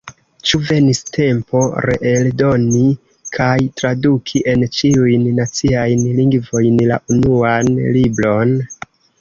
Ĉu venis tempo reeldoni kaj traduki en ĉiujn naciajn lingvojn la Unuan Libron?